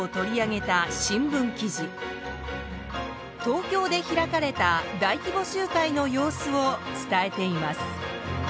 東京で開かれた大規模集会の様子を伝えています。